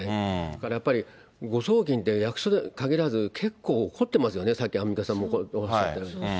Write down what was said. だからやっぱり、誤送金って役所に限らず、最近起こってますよね、さっきアンミカさんもおっしゃったように。